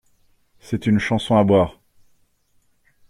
C’est une chanson à boire.